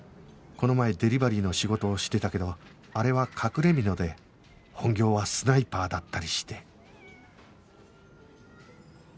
この前デリバリーの仕事をしてたけどあれは隠れ蓑で本業はスナイパーだったりして